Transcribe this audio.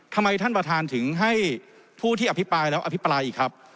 ท่านประธานถึงให้ผู้ที่อภิปรายแล้วอภิปรายอีกครับ